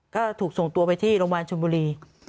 ก็ถูกส่งตัวไปที่โรงบาลชุมมิวอลลี